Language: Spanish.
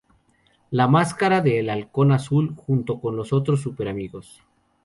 La máscara del Halcón azul junto con los otros Super Amigos.